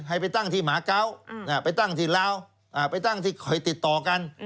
ให้ไปตั้งที่หมาเกาะไปตั้งที่ลาวไปตั้งที่คอยติดต่อกัน